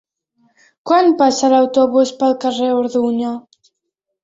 Quan passa l'autobús pel carrer Orduña?